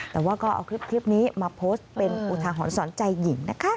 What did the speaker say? แต่ว่าก็เอาคลิปนี้มาโพสต์เป็นอุทาหรณ์สอนใจหญิงนะคะ